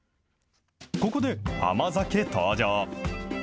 ここで甘酒登場。